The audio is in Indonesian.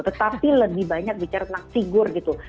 tetapi lebih banyak bicara tentang figur gitu